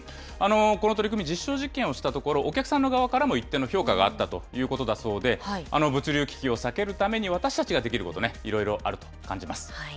この取り組み、実証実験をしたところ、お客さんの側からも一定の評価があったということだそうで、物流危機を避けるためにも私たちができること、いろいろあると感